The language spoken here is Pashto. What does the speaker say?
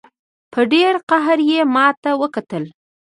په ډېر قهر یې ماته وکتل.